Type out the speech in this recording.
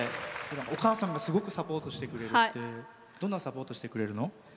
お母さんがすごくサポートしてくれてどんなサポートしてくれるの？